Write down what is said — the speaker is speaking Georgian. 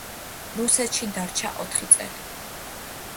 რუსეთში დარჩა ოთხი წელი.